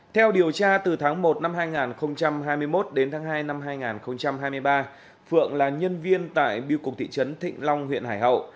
theo điều tra từ tháng một năm hai nghìn hai mươi một đến tháng hai năm hai nghìn hai mươi ba phượng là nhân viên tại biêu cục thị trấn thịnh long huyện hải hậu